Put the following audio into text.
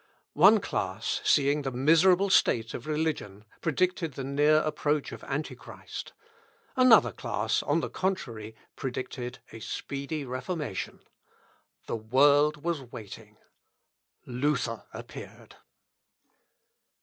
One class, seeing the miserable state of religion predicted the near approach of Antichrist. Another class, on the contrary, predicted a speedy Reformation. The world was waiting.... Luther appeared.